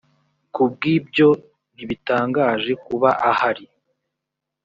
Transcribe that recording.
ku bw ibyo ntibitangaje kuba ahari